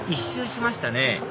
１周しましたね